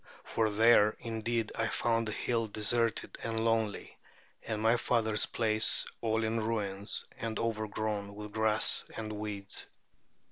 For there indeed I found the hill deserted and lonely, and my father's palace all in ruins and overgrown with grass and weeds.